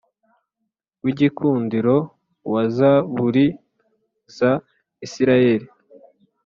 W igikundiro wa zaburi za isirayeli